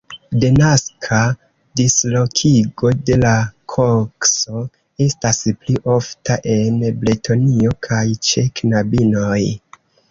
Denaska dislokigo de la kokso estas pli ofta en Bretonio kaj ĉe knabinoj.